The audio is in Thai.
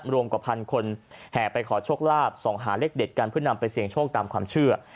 รวมกว่าพันคนแห่ไปขอโชคลาภส่องหาเลขเด็ดกันเพื่อนำไปเสี่ยงโชคตามความเชื่อ